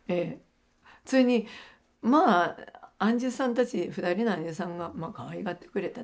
普通にまあ庵主さんたち２人の庵主さんがかわいがってくれた。